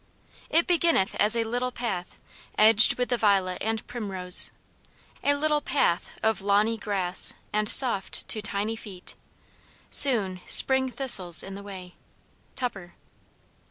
It beginneth as a little path, edged with the violet and primrose, A little path of lawny grass and soft to tiny feet. Soon, spring thistles in the way. TUPPER.